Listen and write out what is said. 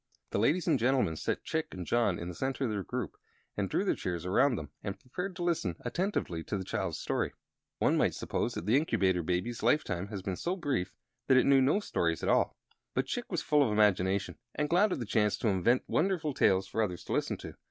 The ladies and gentlemen set Chick and John in the center of their group and drew their chairs around them and prepared to listen attentively to the child's story. One might suppose the Incubator Baby's lifetime had been so brief that it knew no stories at all; but Chick was full of imagination and glad of the chance to invent wonderful tales for others to listen to.